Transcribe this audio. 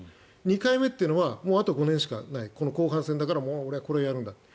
２回目っていうのはあと５年しかない後半戦だから俺はこれをやるんだと。